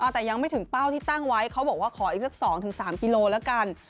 แต่ยังไม่ถึงเป้าที่ตั้งไว้เขาบอกว่าขออีกสัก๒๓กิโลแล้วกัน